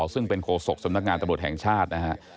ซึ่งเป็นโฆษกสำนักงานตำรวจแห่งชาตินะฮะ